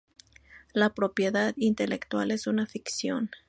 la propiedad intelectual es una ficción